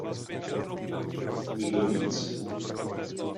Nikdo víc?